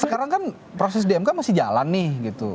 sekarang kan proses dmk masih jalan nih gitu